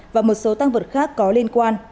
và một số tăng vật khác có liên quan